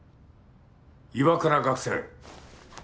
岩倉学生。